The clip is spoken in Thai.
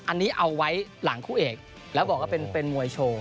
อันนี้เอาไว้หลังคู่เอกแล้วบอกว่าเป็นมวยโชว์